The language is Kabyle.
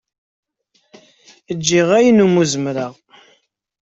Giɣ ayen umi zemreɣ.